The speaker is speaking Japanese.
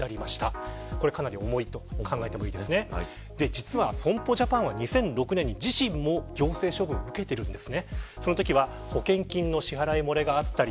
実は、損保ジャパンは２００６年に自身も行政処分を受けているんです。